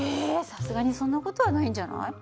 さすがにそんな事はないんじゃない？